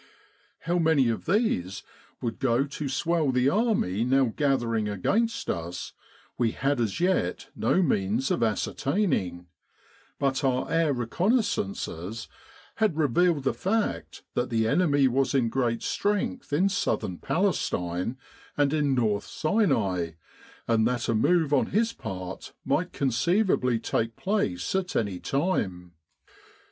How many of these w r ould go to swell the army now gathering against us, we had as yet no means of ascertaining; but our air reconnaissances had re vealed the fact that the enemy was in great strength in Southern Palestine and in North Sinai, and that a move on his part might conceivably take place at any time.